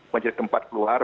menjadi tempat keluar